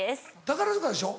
宝塚でしょ？